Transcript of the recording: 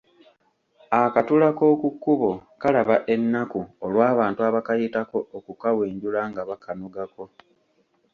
Akatula k’oku kkubo kalaba ennaku olw’abantu abakayitako okukawenjula nga bakanogako.